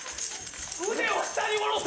腕を下に下ろせ！